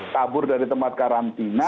kabur dari tempat karantina